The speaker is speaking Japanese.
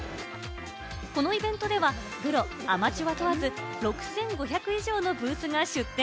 このイベントではプロ・アマチュア問わず、６５００以上のブースが出展。